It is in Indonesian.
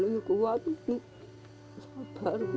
ila tidak muhammad besides